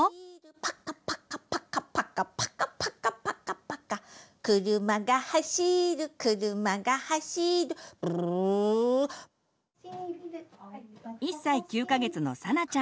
「パカパカパカパカパカパカパカパカ」「くるまがはしるくるまがはしる」「ブルルル」１歳９か月のさなちゃん。